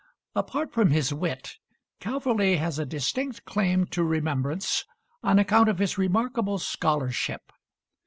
Apart from his wit, Calverley has a distinct claim to remembrance on account of his remarkable scholarship.